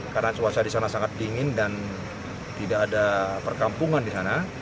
karena cuaca di sana sangat dingin dan tidak ada perkampungan di sana